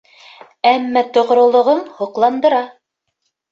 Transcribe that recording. Әммә тоғролоғоң һоҡландыра.